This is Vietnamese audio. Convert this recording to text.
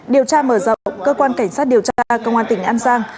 điều tra mở rộng cơ quan cảnh sát điều tra công an tỉnh an giang